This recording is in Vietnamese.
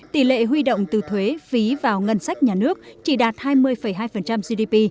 tỷ lệ huy động từ thuế phí vào ngân sách nhà nước chỉ đạt hai mươi hai gdp